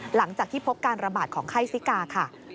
หลังจากที่พบการระบาดของไข้ซิกาค่ะ